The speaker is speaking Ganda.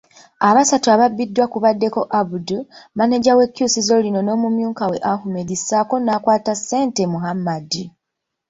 Abasatu ababbiddwa kubaddeko Abdul, maneja w'ekkyusizo lino n'omumyukawe Ahmed ssaako n'akwata essente Muhammad.